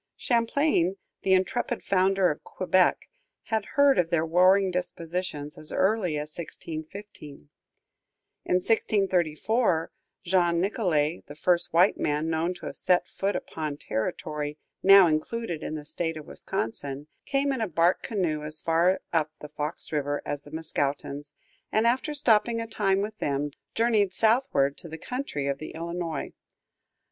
Champlain, the intrepid founder of Quebec, had heard of their warring disposition as early as 1615. In 1634 Jean Nicolet, the first white man known to have set foot upon territory now included in the State of Wisconsin, came in a bark canoe as far up the Fox River as the Mascoutins, and after stopping a time with them, journeyed southward to the country of the Illinois.